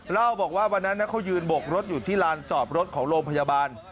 เล่าบอกว่าวันนั้นเขายืนบกรถอยู่ที่ลานจอดรถของโรงพยาบาล